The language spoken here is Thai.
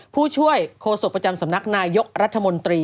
ผู้ช่วยโฆษกประจำสำนักนายกรัฐมนตรี